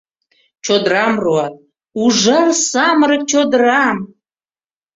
Чодырам руат, ужар самырык чодырам!